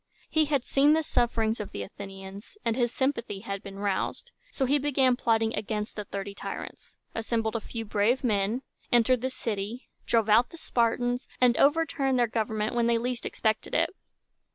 He had seen the sufferings of the Athenians, and his sympathy had been roused. So he began plotting against the Thirty Tyrants, assembled a few brave men, entered the city, drove out the Spartans, and overturned their government when they least expected it.